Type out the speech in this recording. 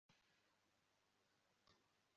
Igihugu cya Yuda kizahora gikangaranya Abanyamisiri,